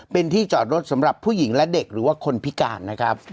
เป็นที่จอดรถสำหรับผู้หญิงและเด็กหรือว่าคนพิการนะครับ